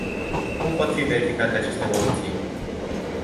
Cum pot fi verificate aceste evoluții?